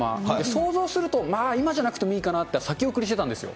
想像すると、まあ今じゃなくてもいいかなって、先送りしてたんですよ。